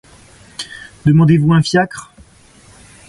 Demandez-vous un fiacre ?